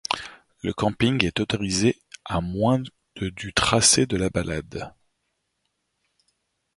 Le camping est autorisé à moins de du tracé de la ballade.